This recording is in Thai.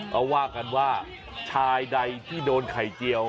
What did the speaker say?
เขาว่ากันว่าชายใดที่โดนไข่เจียว